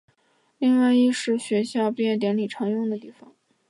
另外亦是学校毕业典礼常用的地方。